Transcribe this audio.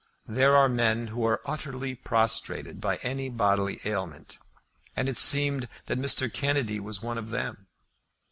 There are men who are utterly prostrated by any bodily ailment, and it seemed that Mr. Kennedy was one of them.